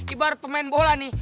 ibarat pemain bola nih